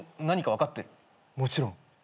もちろん。